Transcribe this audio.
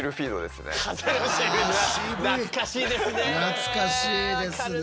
懐かしいですね。